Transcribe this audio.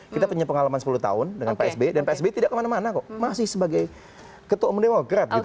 kita punya pengalaman sepuluh tahun dengan psb dan psb tidak kemana mana kok masih sebagai ketua umum demokrat gitu